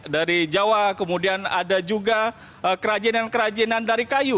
dari jawa kemudian ada juga kerajinan kerajinan dari kayu